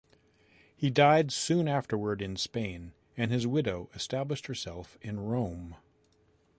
He died soon afterward in Spain, and his widow established herself in Rome.